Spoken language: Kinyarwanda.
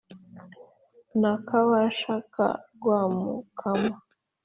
na kabasha ka rwamukama